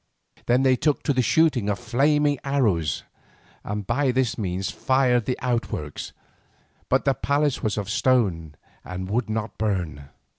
Then they took to the shooting of flaming arrows, and by this means fired the outworks, but the palace was of stone and would not burn.